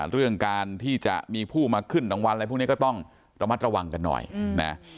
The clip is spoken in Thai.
เรื่องการที่จะมีผู้มาขึ้นรางวัลอะไรพวกนี้ก็ต้องระมัดระวังกันหน่อยนะ